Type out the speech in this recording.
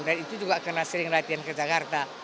dan itu juga kena sering latihan ke jakarta